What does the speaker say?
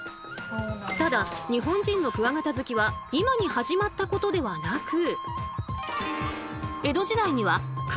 ただ日本人のクワガタ好きは今に始まったことではなく。